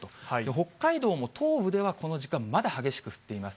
北海道も東部ではこの時間、まだ激しく降っています。